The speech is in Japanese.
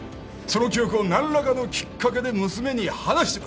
その記憶を何らかのきっかけで娘に話しちまった。